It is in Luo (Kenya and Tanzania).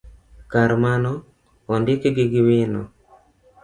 kar mano, ondikgi gi wino.